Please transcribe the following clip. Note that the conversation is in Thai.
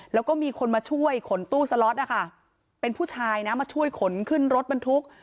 แล้วก็มีคนมาช่วยขนตู้สล็อตนะคะเป็นผู้ชายนะมาช่วยขนขึ้นรถบรรทุก